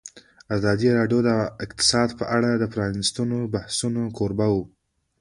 ازادي راډیو د اقتصاد په اړه د پرانیستو بحثونو کوربه وه.